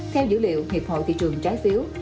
theo dữ liệu hiệp hội thị trường trái phiếu